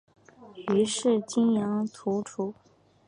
于是泾阳国除。